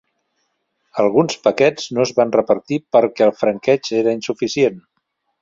Alguns paquets no es van repartir perquè el franqueig era insuficient.